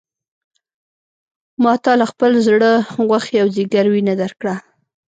ما تا له خپل زړه غوښې او ځیګر وینه درکړه.